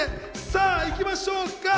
さぁ行きましょうか。